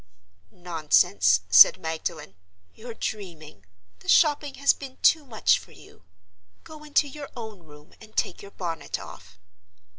"Nonsense!" said Magdalen. "You're dreaming; the shopping has been too much for you. Go into your own room and take your bonnet off."